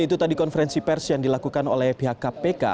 itu tadi konferensi pers yang dilakukan oleh pihak kpk